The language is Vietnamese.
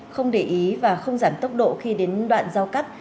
không để ý và không giảm tốc độ khi đến đoạn giao cắt